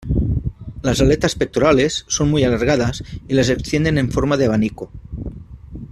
Las aletas pectorales son muy alargadas y las extienden en forma de abanico.